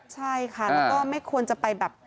ใช่ค่ะแล้วก็ไม่ควรจะไปแบบ